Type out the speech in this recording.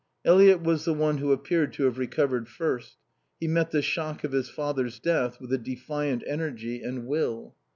Eliot was the one who appeared to have recovered first. He met the shock of his father's death with a defiant energy and will.